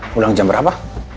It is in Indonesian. pulang jam berapa